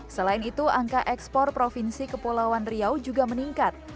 selain itu angka ekspor provinsi kepulauan riau juga meningkat